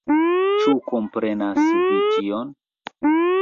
Ĉu komprenas vi tion?